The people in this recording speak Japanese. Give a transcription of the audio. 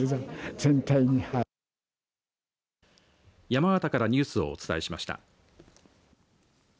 山形からニュースをお伝えしました。